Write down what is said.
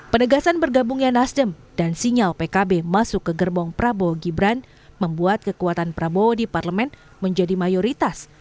penegasan bergabungnya nasdem dan sinyal pkb masuk ke gerbong prabowo gibran membuat kekuatan prabowo di parlemen menjadi mayoritas